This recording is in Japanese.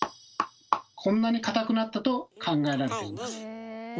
こんなに硬くなったと考えられています。